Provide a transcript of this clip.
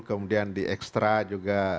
kemudian di ekstra juga